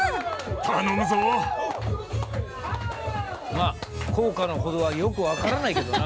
まあ効果の程はよく分からないけどな。